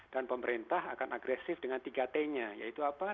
pemerintah akan agresif dengan tiga t nya yaitu apa